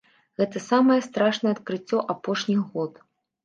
Гэта самае страшнае адкрыццё апошніх год.